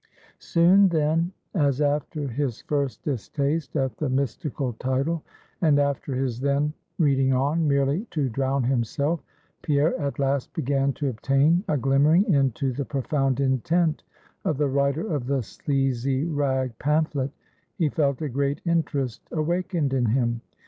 Soon then, as after his first distaste at the mystical title, and after his then reading on, merely to drown himself, Pierre at last began to obtain a glimmering into the profound intent of the writer of the sleazy rag pamphlet, he felt a great interest awakened in him.